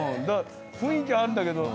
雰囲気あるんだけど。